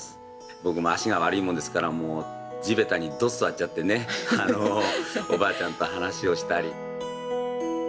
僕も足が悪いもんですからもう地べたにドッ座っちゃってねおばあちゃんと話をしたり。